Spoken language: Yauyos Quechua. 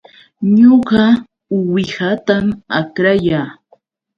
Ñuqa uwihatam akrayaa